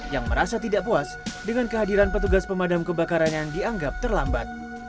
yang merasa tidak puas dengan kehadiran petugas pemadam kebakaran yang dianggap terlambat